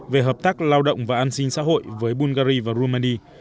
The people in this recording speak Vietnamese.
về hợp tác lao động và an sinh xã hội với bulgari và rumani